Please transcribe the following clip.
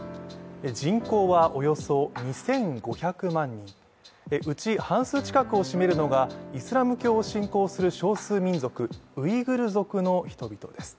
人口はおよそ２５００万人、うち半数近くを占めるのがイスラム教を信仰する少数民族ウイグル族の人々です。